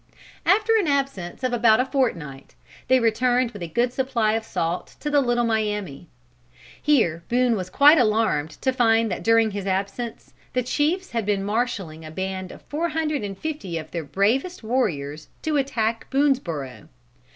After an absence of about a fortnight, they returned with a good supply of salt to the Little Miami. Here Boone was quite alarmed to find that during his absence the chiefs had been marshaling a band of four hundred and fifty of their bravest warriors to attack Boonesborough.